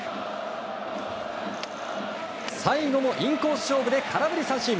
最後もインコース勝負で空振り三振！